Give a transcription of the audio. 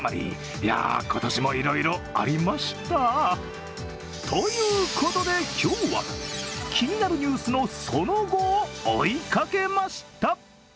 いや、今年もいろいろありましたということで今日は気になるニュースのその後を追いかけました。